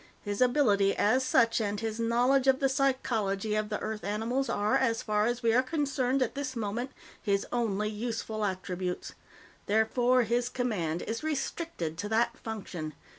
His ability as such and his knowledge of the psychology of the Earth animals are, as far as we are concerned at this moment, his only useful attributes. Therefore, his command is restricted to that function.